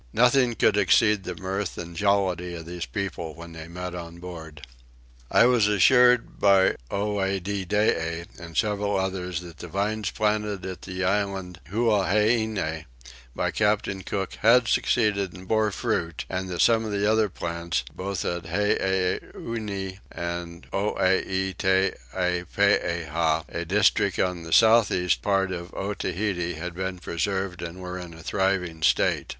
Nothing could exceed the mirth and jollity of these people when they met on board. I was assured by Oediddee and several others that the vines planted at the island Huaheine by Captain Cook had succeeded and bore fruit; and that some of the other plants, both at Huaheine and at Oaitepeha, a district on the south east part of Otaheite, had been preserved and were in a thriving state.